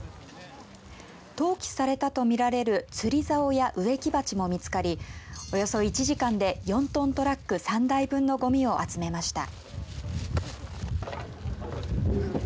投棄されたと見られる釣りざおや植木鉢も見つかりおよそ１時間で４トントラック３台分のごみを集めました。